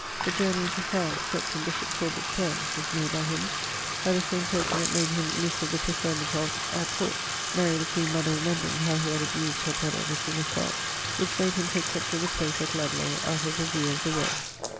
The Journey into France, crept in bishop Corbet's poems, was made by him, by the same token it made him misse of the preferment of ... at court, Mary the queen mother remembring how he had abused her brother, the king of France; which made him to accept of the place at Ludlowe, out of the view of the world.